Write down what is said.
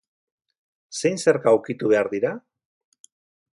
Zein zerga ukitu behar dira?